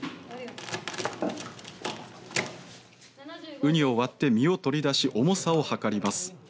うにを割って身を取り出し重さを測ります。